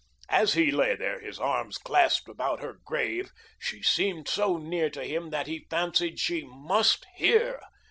As he lay there, his arms clasped about her grave, she seemed so near to him that he fancied she MUST hear.